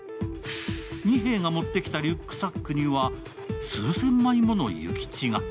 二平が持ってきたリュックサックには数千枚ものＹＵＫＩＣＨＩが。